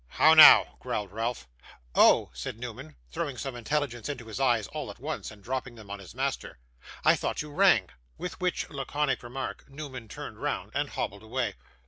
'How now?' growled Ralph. 'Oh!' said Newman, throwing some intelligence into his eyes all at once, and dropping them on his master, 'I thought you rang.' With which laconic remark Newman turned round and hobbled away.